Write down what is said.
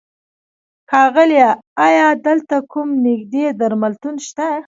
ښاغيله! ايا دلته کوم نيږدې درملتون شته؟